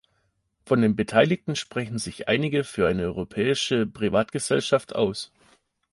Von den Beteiligten sprechen sich einige für eine Europäische Privatgesellschaft aus.